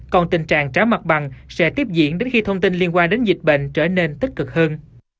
còn tình trạng trả mặt bằng sẽ tiếp diễn đến khi thông tin liên quan đến dịch bệnh trở nên tích cực hơn